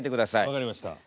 分かりました。